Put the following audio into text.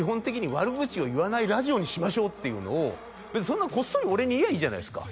「悪口を言わないラジオにしましょう」っていうのを別にそんなこっそり俺に言えばいいじゃないですか